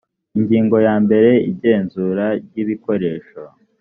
ingingo ya mbere igenzura ry ibikoresho